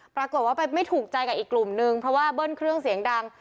ปรากฏว่าไปไม่ถูกใจกับอีกกลุ่มนึงเพราะว่าเบิ้ลเครื่องเสียงดัง